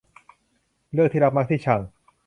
เลือกที่รักมักที่ชัง